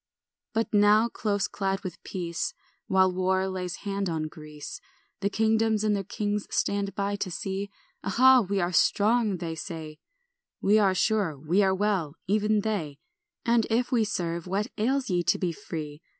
ANT. 1 But now, close clad with peace, While war lays hand on Greece, The kingdoms and their kings stand by to see; "Aha, we are strong," they say, "We are sure, we are well," even they; "And if we serve, what ails ye to be free?